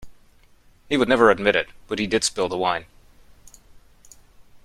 He would never admit it, but he did spill the wine.